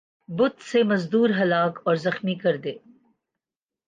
ہت سے مزدور ہلاک اور زخمی کر دے